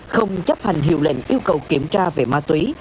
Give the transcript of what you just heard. không chấp hành hiệu lệnh yêu cầu kiểm tra về ma túy